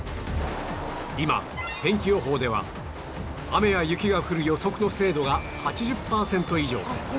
今天気予報では雨や雪が降る予測の精度が８０パーセント以上